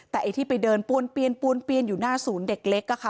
แต่ไอ้ที่ไปเดินป้วนป้วนเปี้ยนอยู่หน้าศูนย์เด็กเล็ก